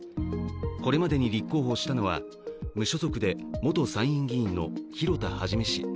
これまでに立候補したのは、無所属で元参院議員の広田一氏。